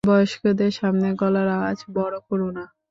বয়স্কদের সামনে গলার আওয়াজ বড় করো না।